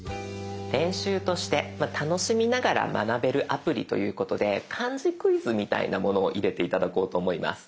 練習として楽しみながら学べるアプリということで漢字クイズみたいなものを入れて頂こうと思います。